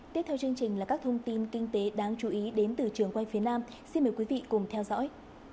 tiếp theo chương trình là các thông tin kinh tế đáng chú ý đến từ trường quay phía nam xin mời quý vị cùng theo dõi